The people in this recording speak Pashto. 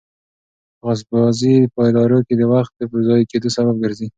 کاغذبازي په ادارو کې د وخت د ضایع کېدو سبب ګرځي.